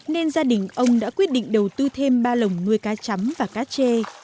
nên gia đình ông đã quyết định đầu tư thêm ba lồng nuôi cá chấm và cá chê